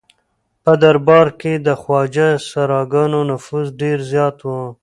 په دربار کې د خواجه سراګانو نفوذ ډېر زیات و.